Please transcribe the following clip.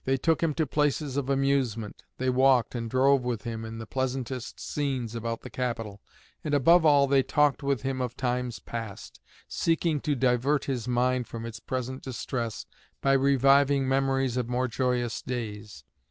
They took him to places of amusement; they walked and drove with him in the pleasantest scenes about the capital; and above all, they talked with him of times past, seeking to divert his mind from its present distress by reviving memories of more joyous days.